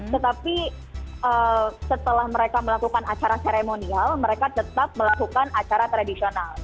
tetapi setelah mereka melakukan acara seremonial mereka tetap melakukan acara tradisional